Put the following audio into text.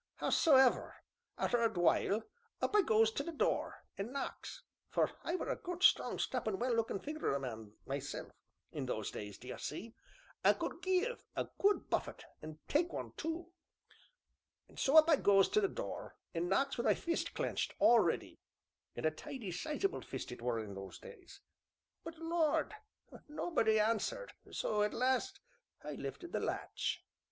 Hows'ever, arter a while, up I goes to th' door, an' knocks (for I were a gert, strong, strappin', well lookin' figure o' a man myself, in those days, d'ye see, an' could give a good buffet an' tak one tu), so up I goes to th' door, an' knocks wi' my fist clenched, all ready (an' a tidy, sizable fist it were in those days) but Lord! nobody answered, so, at last, I lifted the latch."